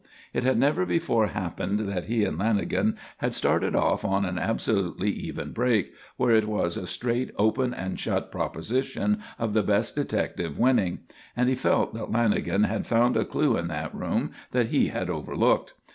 It had never before happened that he and Lanagan had started off on an absolutely even break where it was a straight open and shut proposition of the best detective winning; and he felt that Lanagan had found a clue in that room that he had overlooked.